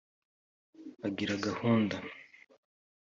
agira gahunda